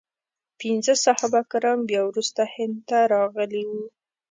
پنځه صحابه کرام بیا وروسته هند ته راغلي وو.